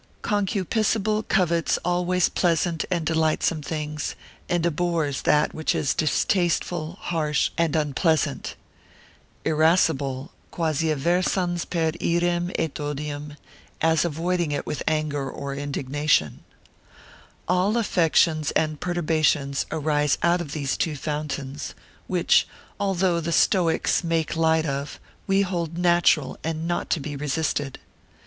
Concupiscible covets always pleasant and delightsome things, and abhors that which is distasteful, harsh, and unpleasant. Irascible, quasi aversans per iram et odium, as avoiding it with anger and indignation. All affections and perturbations arise out of these two fountains, which, although the stoics make light of, we hold natural, and not to be resisted.